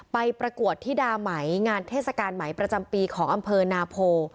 ประกวดธิดาไหมงานเทศกาลไหมประจำปีของอำเภอนาโพ